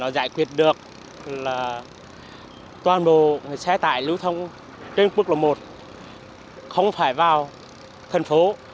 giải quyết được toàn bộ xe tải lưu thông trên quốc lộ một không phải vào thành phố